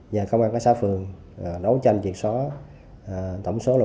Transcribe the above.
nhà công an cảnh sát phường đấu tranh triệt só